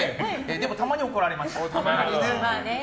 でも、たまに怒られました。